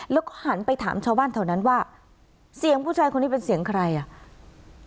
แล้วก็หันไปถามชาวบ้านแถวนั้นว่าเสียงผู้ชายคนนี้เป็นเสียงใครอ่ะ